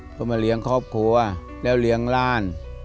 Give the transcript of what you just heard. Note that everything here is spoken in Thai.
เพื่อมาเลี้ยงครอบครัวแล้วเลี้ยงร่าน